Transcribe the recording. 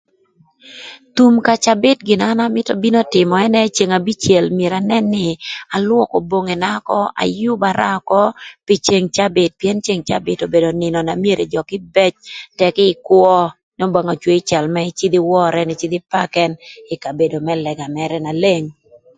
Thum ka cabït gin na an amïtö bino tïmö ënë ï ceng abicël myero anën nï alwökö bongina ökö, ayübara ökö pï ceng cabït pïën ceng cabït obedo nïnö na myero jö kïbëc tëkï ïkwö n'Obanga ocwei ï cal mërë ïcïdh ïwör ën ïcïdh ïpakë ï kabedo më lëga mërë na leng